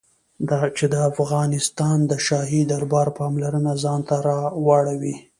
چې د افغانستان د شاهي دربار پاملرنه ځان ته را واړوي.